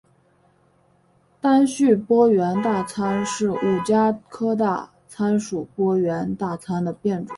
单序波缘大参是五加科大参属波缘大参的变种。